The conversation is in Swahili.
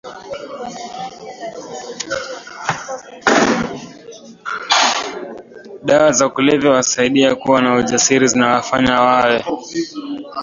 dawa za kulevya huwasaidia kuwa na ujasiri zinawafanya wawe